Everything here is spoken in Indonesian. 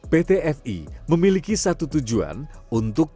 pt fi memiliki satu tujuan untuk